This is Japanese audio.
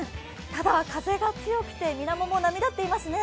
ただ、風が強くて、みなもも波立っていますね。